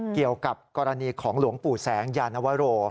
เกี่ยวกับกรณีของหลวงปู่แสงยานวโร